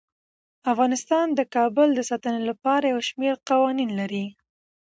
افغانستان د کابل د ساتنې لپاره یو شمیر قوانین لري.